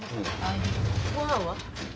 ごはんは？